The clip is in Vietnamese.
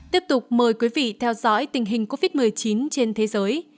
tiếp tục mời quý vị theo dõi tình hình covid một mươi chín trên thế giới